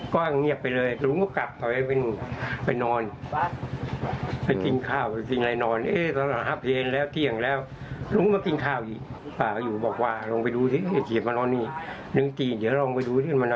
ตอนนี้นึงกินเดี๋ยวเราลองไปดูที่อันนั้นแล้ว